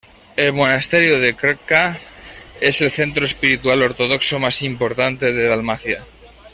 El monasterio de Krka es el centro espiritual ortodoxo más importante de Dalmacia.